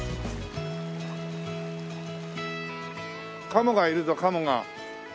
カモがいるぞカモが。